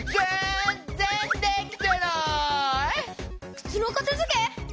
くつのかたづけ？